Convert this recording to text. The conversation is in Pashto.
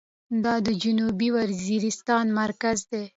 دا د جنوبي وزيرستان مرکز دى.